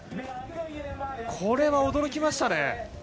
これは驚きましたね。